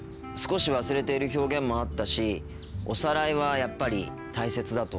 少し忘れている表現もあったしおさらいはやっぱり大切だと思ったよ。